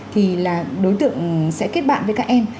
thì là đối tượng sẽ kết bạn với các em